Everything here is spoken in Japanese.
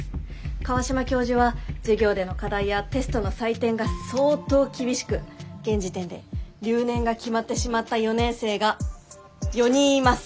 川島教授は授業での課題やテストの採点が相当厳しく現時点で留年が決まってしまった４年生が４人います。